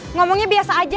ngomongnya biasa aja